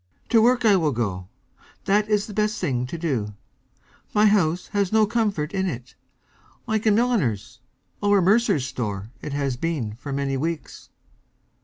"To work I will go. That is the best thing to do. My house has no comfort in it. Like a milliner's or a mercer's store it has been for many weeks.